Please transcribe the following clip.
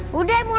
heh udah mulai